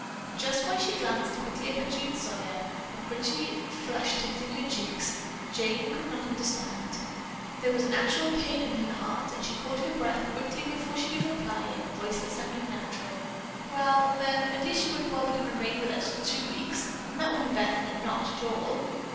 Just why she glanced quickly up at Jean Sawyer, a pretty flush tinting her cheeks, Jane could not understand. There was an actual pain in her heart, and she caught her breath quickly before she could reply in a voice that sounded natural: "Well, then, at least you and Bob can remain with us for two weeks and that will be better than not at all."